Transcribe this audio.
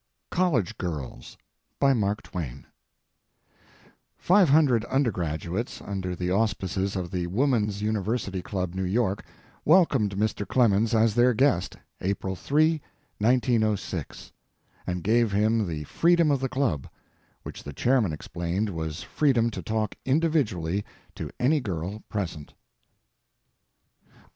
COLLEGE GIRLS Five hundred undergraduates, under the auspices of the Woman's University Club, New York, welcomed Mr. Clemens as their guest, April 3, 1906, and gave him the freedom of the club, which the chairman explained was freedom to talk individually to any girl present.